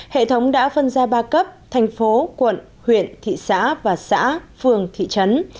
hệ thống đã phân ra ba cấp thành phố quận huyện thị xã và xã phường thị trấn